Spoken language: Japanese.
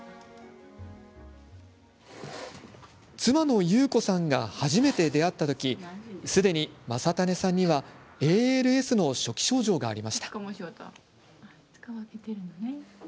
妻の木綿子さんが初めて出会った時すでに将胤さんにはＡＬＳの初期症状がありました。